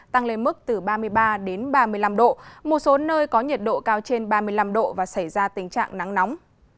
tăng lên mức từ ba mươi ba đến ba mươi năm độ một số nơi có nhiệt độ cao trên ba mươi năm độ và xảy ra tình trạng nắng nóng